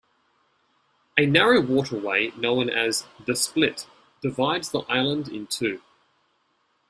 A narrow waterway known as "the Split" divides the island in two.